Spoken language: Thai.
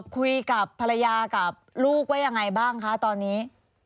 คุยกับภรรยากับลูกว่ายังไงบ้างคะตอนนี้